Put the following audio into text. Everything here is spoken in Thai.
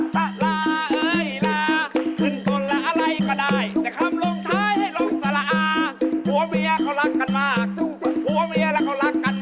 ก็คือพินาฬิกา